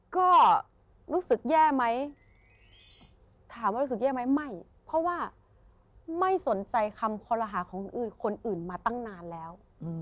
ก็รู้สึกแย่ไหมถามว่ารู้สึกแย่ไหมไม่เพราะว่าไม่สนใจคำคอลหาของอื่นคนอื่นมาตั้งนานแล้ว